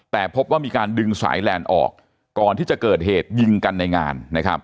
แต่พบว่ามีการดึงสายแลนด์ออกก่อนที่จะเกิดเหตุยิงกันในงาน